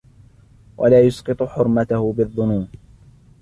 وَلَا يُسْقِطُ حُرْمَتَهُ بِالظُّنُونِ